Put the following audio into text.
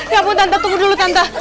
ya ampun tante tunggu dulu tante